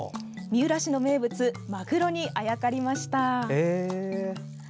三浦市の名物マグロにあやかりました。